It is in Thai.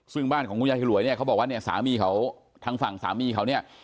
ซึ่งบ้านของคุณยายฉลวยเนี่ยเขาบอกว่าเนี่ยสามีเขาทางฝั่งสามีเขาเนี่ย